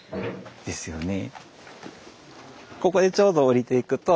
ですよね。